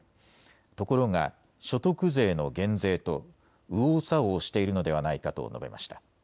ところが所得税の減税と右往左往しているのではないかと述べました。